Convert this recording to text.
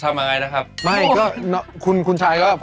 จะให้กินอะไรไก่หนา